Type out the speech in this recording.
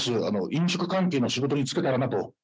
飲食関係の仕事に就けたらなと。